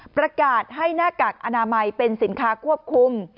ประกาศให้หน้ากากอนามัยเป็นสินค้าควบคุม